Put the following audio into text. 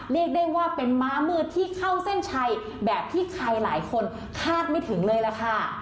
เรียกได้ว่าเป็นม้ามืดที่เข้าเส้นชัยแบบที่ใครหลายคนคาดไม่ถึงเลยล่ะค่ะ